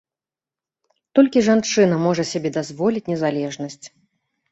Толькі жанчына можа сябе дазволіць незалежнасць.